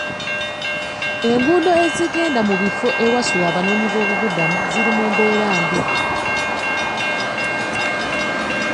Enguudo ezigenda mu bifo ewasula abanooboobubudamu ziri mu mbeera mbi.